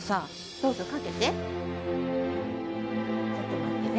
どうぞかけてちょっと待ってね